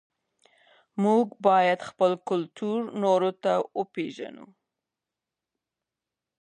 موږ باید خپل کلتور نورو ته وپېژنو.